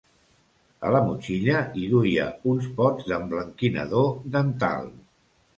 A la motxilla, hi duia uns pots d’emblanquinador dental.